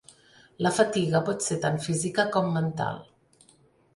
La fatiga pot ser tant física com mental.